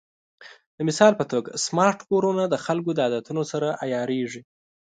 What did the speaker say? د مثال په توګه، سمارټ کورونه د خلکو د عادتونو سره عیارېږي.